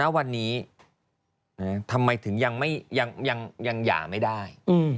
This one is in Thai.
วันนี้ทำไมถึงยังหย่าไม่ได้